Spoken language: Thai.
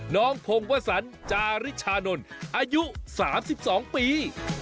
น้องพงวสันจาริชานนอายุ๓๒ปี